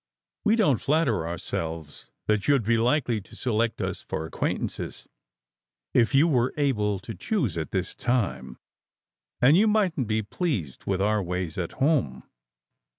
We don t flatter ourselves that you d be likely to select us for acquaintances if you were able to choose at this time; and you mightn t be pleased with our ways at home.